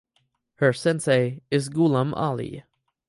Her sensei is Ghulam Ali.